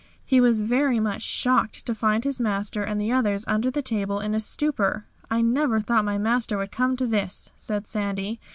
He was very much shocked to find his master and the others under the table in a stupor. "I never thought my master would come to this," said Sandy.